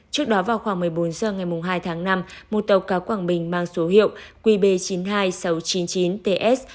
trước đó vào khoảng một mươi bốn h ngày hai tháng năm một tàu cá quảng bình mang số hiệu qb chín mươi hai nghìn sáu trăm chín mươi chín ts